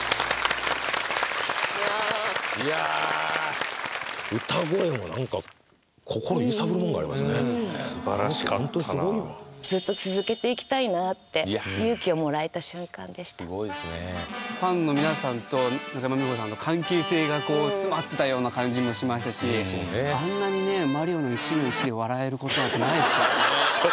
いやいや歌声も何か心揺さぶるもんがありますねすばらしかったななって勇気をもらえた瞬間でしたファンの皆さんと中山美穂さんの関係性がこう詰まってたような感じもしましたしあんなにね「マリオ」の１−１で笑えることなんてないですからね